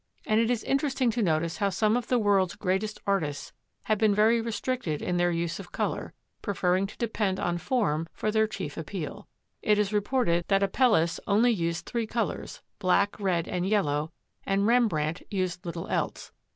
And it is interesting to notice how some of the world's greatest artists have been very restricted in their use of colour, preferring to depend on form for their chief appeal. It is reported that Apelles only used three colours, black, red, and yellow, and Rembrandt used little else.